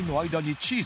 チーズ！